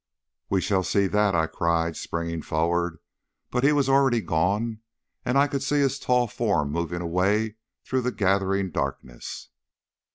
"We shall see that," I cried, springing forward, but he was already gone, and I could see his tall form moving away through the gathering darkness.